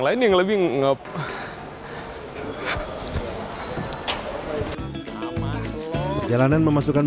tapi yang aja sebenernya enggak harus ngawurin loh